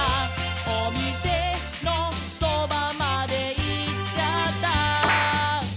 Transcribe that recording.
「おみせのそばまでいっちゃった」